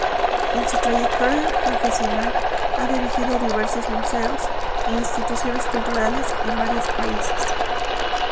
En su trayectoria profesional ha dirigido diversos museos e instituciones culturales en varios países.